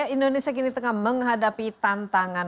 indonesia kini tengah menghadapi tantangan